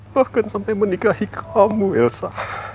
bahkan sampai menikahi kamu elsa